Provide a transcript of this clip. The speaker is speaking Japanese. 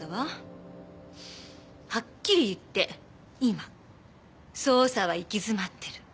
はっきり言って今捜査は行き詰まってる。